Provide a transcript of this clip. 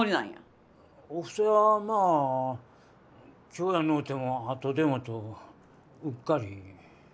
お布施はまあ今日やのうても後でもとうっかり。